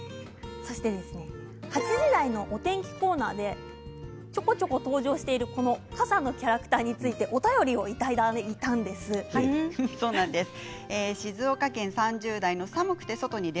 そして８時台のお天気コーナーでちょこちょこ登場している傘のキャラクターについて静岡県３０代の方です。